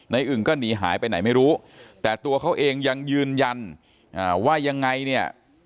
อึ่งก็หนีหายไปไหนไม่รู้แต่ตัวเขาเองยังยืนยันว่ายังไงเนี่ย